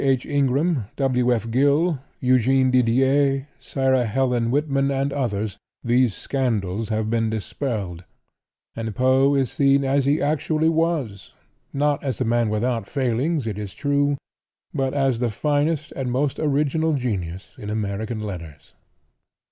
H. Ingram, W. F. Gill, Eugene Didier, Sarah Helen Whitman and others these scandals have been dispelled and Poe is seen as he actually was—not as a man without failings, it is true, but as the finest and most original genius in American letters.